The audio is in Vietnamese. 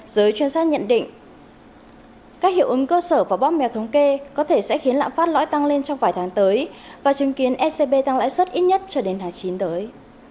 giới chuyên gia nhận định các hiệu ứng cơ sở và bóp mèo thống kê có thể sẽ khiến lạm phát lõi tăng lên trong vài tháng tới và chứng kiến ecb tăng lãi suất ít nhất cho đến tháng chín tới